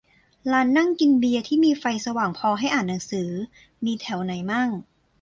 ร้านนั่งกินเบียร์ ที่มีไฟสว่างพอให้อ่านหนังสือ มีแถวไหนมั่ง